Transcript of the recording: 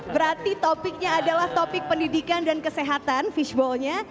berarti topiknya adalah topik pendidikan dan kesehatan fishballnya